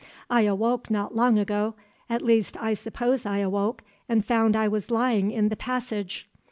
I awoke not long ago, at least I suppose I awoke and found I was lying in the passage.